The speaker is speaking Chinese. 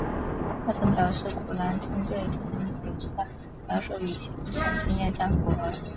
她曾表示古兰经对精灵的描述与其自身经验相符合。